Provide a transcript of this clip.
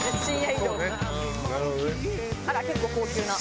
あら結構高級な。